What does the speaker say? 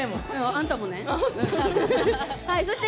あんたもね。